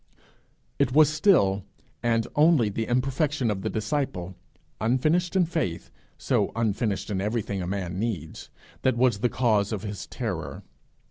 It was still and only the imperfection of the disciple, unfinished in faith, so unfinished in everything a man needs, that was the cause of his terror.